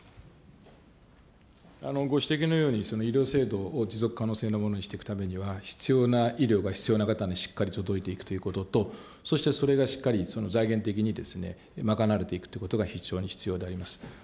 ご指摘のように、その医療制度を持続可能性のものにしていくためには、必要な、医療が必要な方にしっかり届いていくということと、そしてそれがしっかりその財源的に賄われていくということが非常に必要であります。